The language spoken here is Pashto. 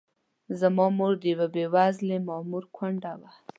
زما مور د یوه بې وزلي مامور کونډه وه.